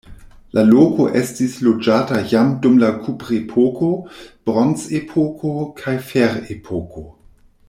La loko estis loĝata jam dum la kuprepoko, bronzepoko kaj ferepoko.